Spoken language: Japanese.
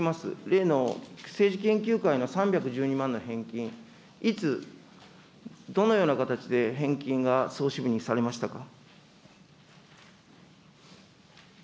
例の政治研究会の３１２万の返金、いつ、どのような形で返金が総支部にされましたか。